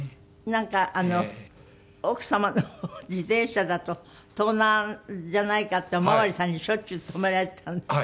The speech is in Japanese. なんかあの奥様の自転車だと盗難じゃないかってお巡りさんにしょっちゅう止められたんですって？